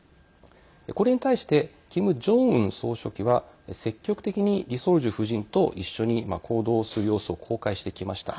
これに対してキム・ジョンウン総書記は積極的にリ・ソルジュ夫人と一緒に行動する様子を公開してきました。